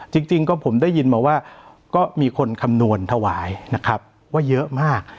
จริงก็ผมได้ยินมาว่าก็มีคนคำนวณถวายนะครับว่าเยอะมาก